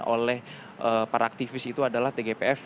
oleh para aktivis itu adalah tgpf